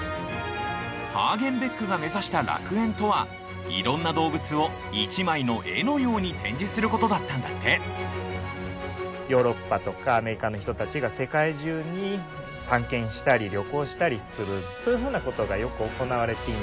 ハーゲンベックが目指した「楽園」とはいろんな動物を一枚の絵のように展示することだったんだってヨーロッパとかアメリカの人たちが世界中に探検したり旅行したりするそういうふうなことがよく行われていました。